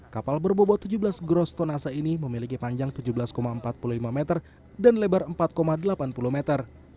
kapal berbobot tujuh belas gross tonase ini memiliki panjang tujuh belas empat puluh lima meter dan lebar empat delapan puluh meter